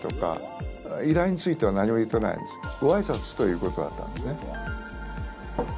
ご挨拶ということだったんですね。